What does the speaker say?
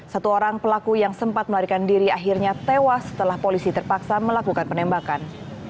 satu orang pelaku yang sempat melarikan diri akhirnya tewas setelah polisi terpaksa melakukan penembakan